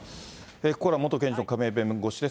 ここからは元検事の亀井弁護士です。